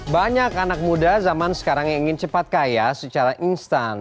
banyak anak muda zaman sekarang yang ingin cepat kaya secara instan